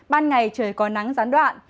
ban ngày trời có nắng gián đoạn